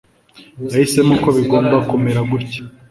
yahisemo ko bigomba kumera gutya